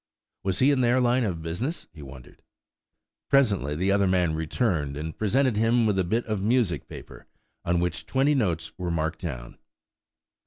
Was he in their line of business? he wondered. Presently the other man returned, and presented him with a bit of music paper, on which twenty notes were marked down.